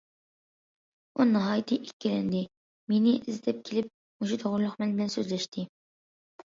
ئۇ ناھايىتى ئىككىلەندى، مېنى ئىزدەپ كېلىپ مۇشۇ توغرىلىق مەن بىلەن سۆزلەشتى.